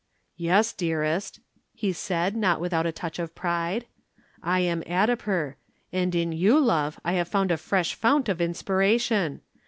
"Yes, dearest," he said not without a touch of pride. "I am Addiper and in you, love, I have found a fresh fount of inspiration.